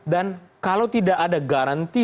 dan kalau tidak ada garanti